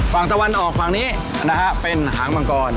ฝั่งสวรรค์ออกฝั่งนี้เป็นหางบังกร